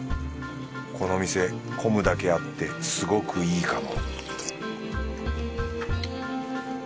この店混むだけあってすごくいいかも